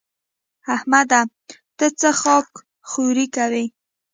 احمده! ته څه خاک ښوري کوې؟